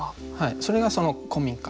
それがその古民家。